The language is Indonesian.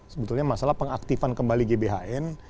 sebetulnya masalah pengaktifan kembali gbhn